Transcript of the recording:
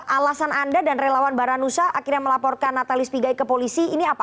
alasan anda dan relawan baranusa akhirnya melaporkan natalis pigai ke polisi ini apa